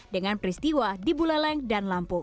dengan peristiwa di buleleng dan lampung